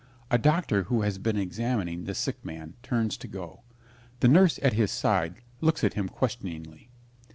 A doctor who has been examining the sick man turns to go. The nurse at his side looks at him questioningly.